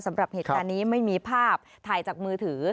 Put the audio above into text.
สำหรับเหตุการณ์นี้ไม่มีภาพถ่ายจากมือถือ